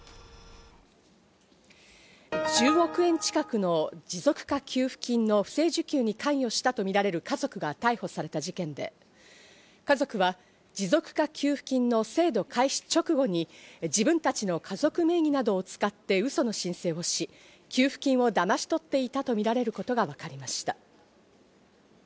１０億円近くの持続化給付金の不正受給に関与したとみられる家族が逮捕された事件で、家族は持続化給付金の制度開始直後に、自分たちの家族名義などを使ってうその申請をし、給付金をだまし取っていたとみられることが分かりました。